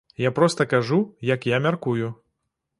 Я проста кажу, як я мяркую.